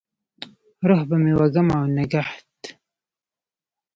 روح به مې وږم او نګهت،